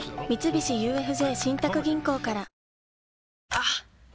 あっ！